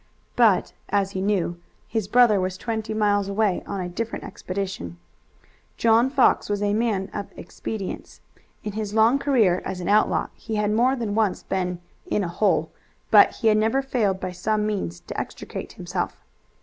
But, as he knew, his brother was twenty miles away on a different expedition. John Fox was a man of expedients. In his long career as an outlaw he had more than once been "in a hole," but he had never failed by some means to extricate himself.